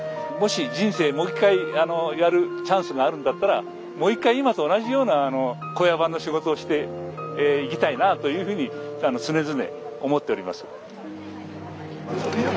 もし人生もう一回やるチャンスがあるんだったらもう一回今と同じような小屋番の仕事をして生きたいなというふうに常々思っております。